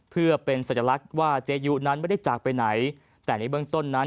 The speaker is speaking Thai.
เพื่อเป็นสัญลักษณ์ว่าเจยุนั้นไม่ได้จากไปไหนแต่ในเบื้องต้นนั้น